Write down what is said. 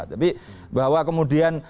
tapi bahwa kemudian